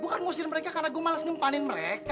gue kan ngusirin mereka karena gue males ngepanin mereka